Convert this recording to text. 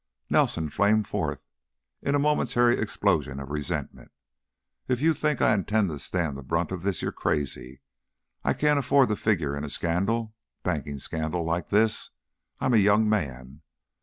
Nelson flamed forth, in a momentary explosion of resentment. "If you think I intend to stand the brunt of this, you're crazy. I can't afford to figure in a scandal banking scandal like this. I'm a young man.